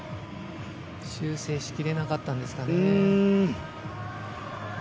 修正しきれなかったんですかね。